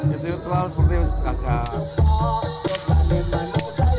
ritual seperti khusus kacang